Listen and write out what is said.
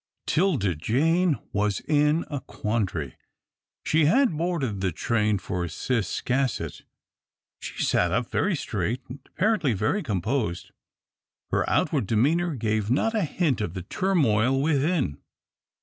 'Tilda Jane was in a quandary. She had boarded the train for Ciscasset, she sat up very straight and apparently very composed her outward demeanour gave not a hint of the turmoil within.